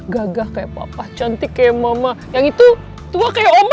gagah kayak papa cantik kayak mama yang itu tua kayak mama